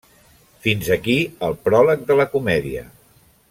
Fins aquí el pròleg de la comèdia.